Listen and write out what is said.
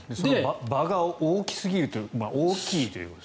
場が大きすぎるという大きいという。